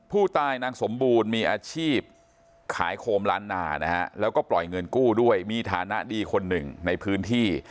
นางสมบูรณ์มีอาชีพขายโคมล้านนานะฮะแล้วก็ปล่อยเงินกู้ด้วยมีฐานะดีคนหนึ่งในพื้นที่